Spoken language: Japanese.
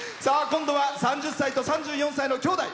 今度は３４歳と３０歳の兄弟。